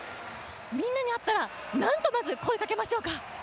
みんなに会ったら何とまず声かけましょうか？